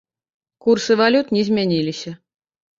Курсы валют не змяніліся.